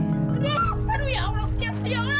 aduh aduh ya allah